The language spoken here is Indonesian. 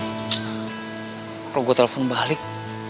kalau gue telfon balik